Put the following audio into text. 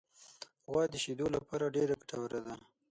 غوا د شیدو لپاره ډېره ګټوره ده.